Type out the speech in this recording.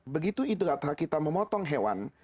begitu idul adha kita memotong hewan